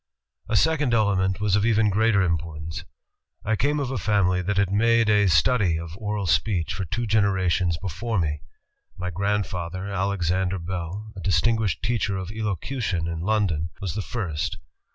"A second element was of even greater importance. I came of a family that had made a ... study of oral speech for two generations before me. My grandfather, Alexander Bell, a distinguished teacher of elocution in London, was the first.